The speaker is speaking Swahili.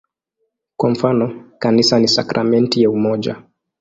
Kwa mfano, "Kanisa ni sakramenti ya umoja".